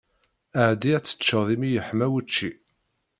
Ɛeddi ad teččeḍ imi yeḥma wučči!